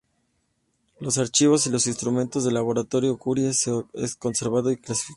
Los archivos y los instrumentos del laboratorio Curie se han conservado y clasificado.